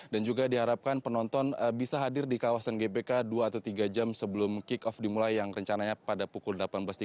dan juga diharapkan penonton bisa hadir di kawasan gbk dua atau tiga jam sebelum kick off dimulai yang rencananya pada pukul delapan belas tiga puluh